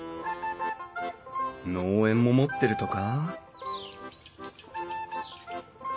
農園も持ってるとか？